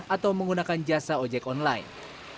atau menggunakan jasa ojek online